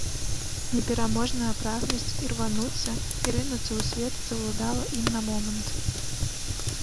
Непераможная прагнасць ірвануцца і рынуцца ў свет заўладала ім на момант.